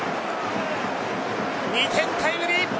２点タイムリー。